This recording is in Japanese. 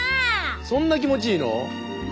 そんな気持ちいいの？